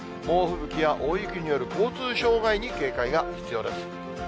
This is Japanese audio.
猛吹雪や大雪による交通障害に警戒が必要です。